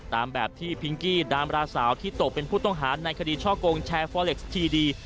ตามแบบที่พิงกี้ดามราสาวที่ตกเป็นผู้ต้องหาในคดีช่อกงแชร์ฟอเล็กซ์ทีดี